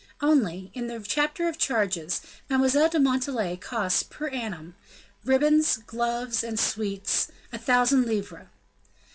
Only, in the chapter of charges, Mademoiselle de Montalais cost per annum: ribbons, gloves, and sweets, a thousand livres.